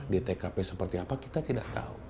di tkp seperti apa kita tidak tahu